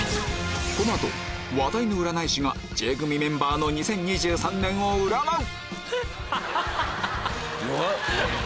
話題の占い師がＪ組メンバーの２０２３年を占う！